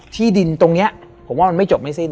ที่ดินตรงนี้ผมว่ามันไม่จบไม่สิ้น